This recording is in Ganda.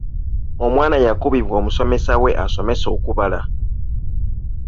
Omwana yakubibwa omusomesa we asomesa okubala.